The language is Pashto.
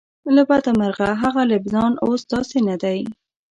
له بده مرغه هغه لبنان اوس داسې نه دی.